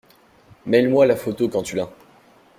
Mail moi la photo quand tu l'as.